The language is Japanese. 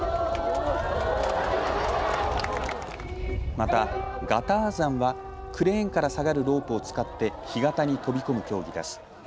またガターザンはクレーンから下がるロープを使って干潟に飛び込む競技です。